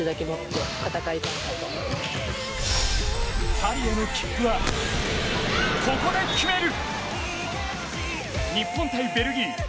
パリへの切符はここで決める。